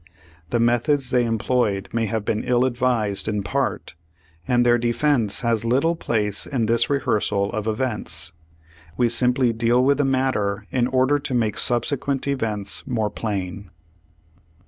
The methods they employed may have been ill advised in part, and their defense has little place in this rehearsal of events. We simply deal with the matter in order to make subsequent events more plain.